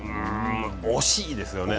惜しいですよね。